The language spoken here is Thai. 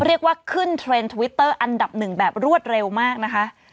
เรียกว่าขึ้นเทรนด์ทวิตเตอร์อันดับหนึ่งแบบรวดเร็วมากนะคะ